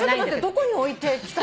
どこに置いてきた？